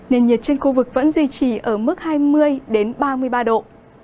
nền nhiệt trên khu vực vẫn duy trì ở mức hai mươi ba mươi ba độ